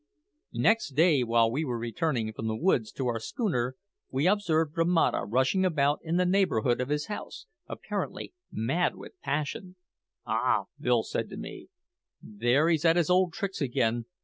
Next day, while we were returning from the woods to our schooner, we observed Romata rushing about in the neighbourhood of his house, apparently mad with passion. "Ah!" said Bill to me, "there he's at his old tricks again.